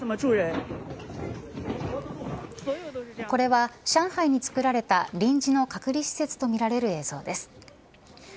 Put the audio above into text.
これは、上海に作られた臨時の隔離施設とみられる映像です。